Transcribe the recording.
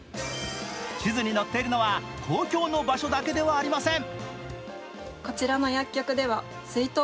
地図に載っているのは公共の場所だけではありません。